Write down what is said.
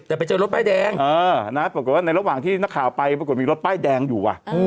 แต่ไปเจอรถป้ายแดงปรากฏว่าในระหว่างที่นักข่าวไปปรากฏมีรถป้ายแดงอยู่ว่ะ